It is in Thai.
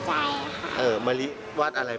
อันนี้ใช้เวลาวาดนานเนี้ย